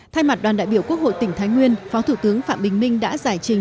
thay mặt đoàn đại biểu quốc hội tỉnh thái nguyên phó thủ tướng phạm bình minh đã giải trình